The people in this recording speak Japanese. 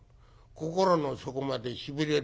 『心の底までしびれるような』。